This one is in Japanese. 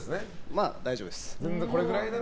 まあ大丈夫です。